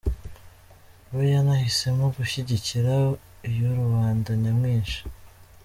We yanahisemo gushyigikira iyo rubanda nyamwinshi.